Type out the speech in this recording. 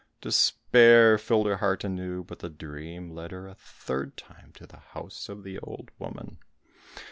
Despair filled her heart anew, but the dream led her a third time to the house of the old woman.